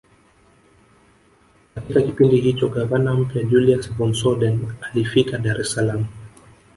Katika kipindi hicho gavana mpya Julius von Soden alifika Dar es salaam